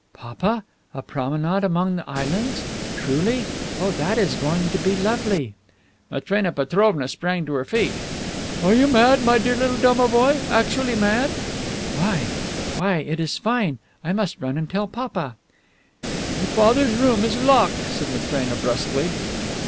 "Papa! A promenade among the islands? Truly? Oh, that is going to be lovely!" Matrena Petrovna sprang to her feet. "Are you mad, my dear little domovoi, actually mad?" "Why? Why? It is fine. I must run and tell papa." "Your father's room is locked," said Matrena brusquely.